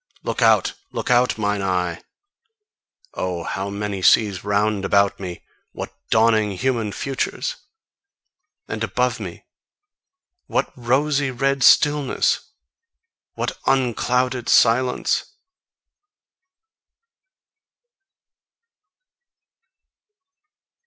Look out, look out, mine eye! Oh, how many seas round about me, what dawning human futures! And above me what rosy red stillness! What unclouded silence!